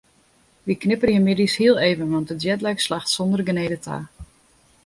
Wy knipperje middeis hiel even want de jetlag slacht sonder genede ta.